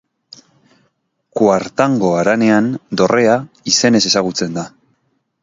Kuartango Haranean Dorrea izenez ezagutzen da.